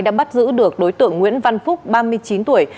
đã bắt giữ được đối tượng nguyễn văn phúc ba mươi chín tuổi